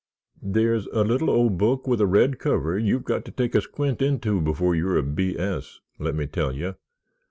"There's a little old book with a red cover you've got to take a squint into before you're a B. S., let me tell you.